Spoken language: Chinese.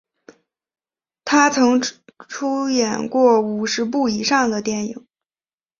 他曾出演过五十部以上的电影。